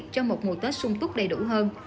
cho một mùa tết sung túc đầy đủ hơn